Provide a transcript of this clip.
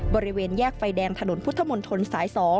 บริเวณแยกไฟแดงถนนพุทธมนตรสาย๒